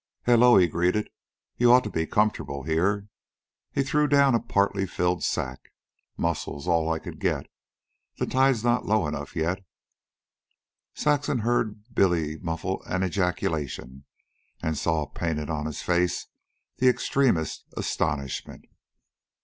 "Hello," he greeted. "You ought to be comfortable here." He threw down a partly filled sack. "Mussels. All I could get. The tide's not low enough yet." Saxon heard Billy muffle an ejaculation, and saw painted on his face the extremest astonishment.